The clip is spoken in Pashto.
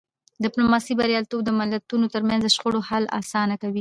د ډیپلوماسی بریالیتوب د ملتونو ترمنځ د شخړو حل اسانه کوي.